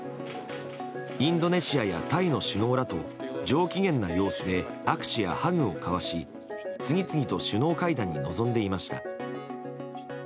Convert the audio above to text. インドネシアやタイの首脳らと上機嫌な様子で握手やハグを交わし次々と首脳会談に臨んでいました。